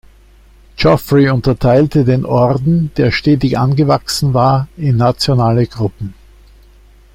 Geoffrey unterteilte den Orden, der stetig angewachsen war, in nationale Gruppen.